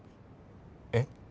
えっ？